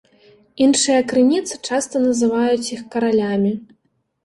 Іншыя крыніцы часта называюць іх каралямі.